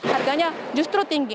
harganya justru tinggi